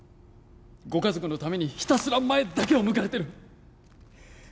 ご家族のためにひたすら前だけを向かれてる